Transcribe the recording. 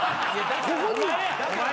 ここにや。